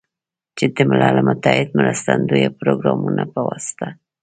چې د ملل متحد مرستندویه پروګرامونو په واسطه